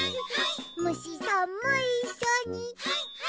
「むしさんもいっしょにハイ！